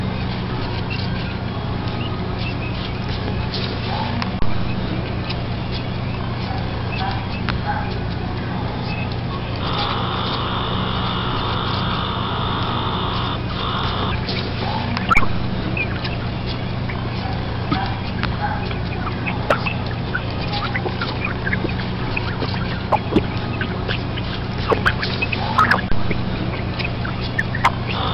Then Lena gets to know the school.